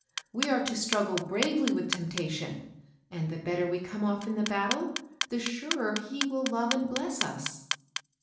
We are to struggle bravely with temptation ; and the bet ter we come off in the battle, the surer He will love and bless us."